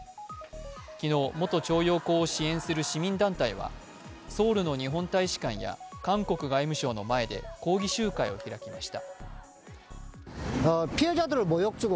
昨日、元徴用工を支援する市民団体はソウルの日本大使館や韓国外務省の前で抗議集会を開きました。